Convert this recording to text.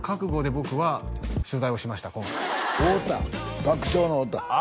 太田爆笑の太田あ